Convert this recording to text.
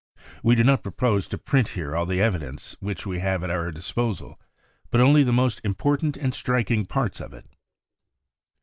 We do not propose to print here all the evidence which we have at our disposal, but only the most important and striking parts of it.